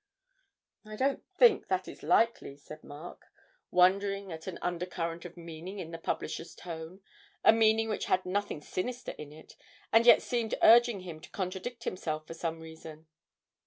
'I don't think that is likely,' said Mark, wondering at an undercurrent of meaning in the publisher's tone, a meaning which had nothing sinister in it, and yet seemed urging him to contradict himself for some reason.